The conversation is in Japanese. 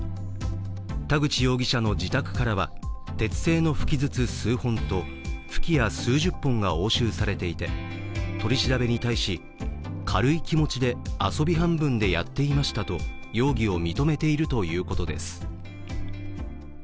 田口容疑者の自宅からは、鉄製の吹き筒数本と吹き矢数十本が押収されていて、取り調べに対し軽い気持ちで遊び半分でやっていましたと容疑を認めているということです。